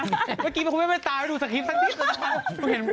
เมื่อกี้คุณแม่งไม่ตามให้ดูสคริปท์ซักทิศเลยนะ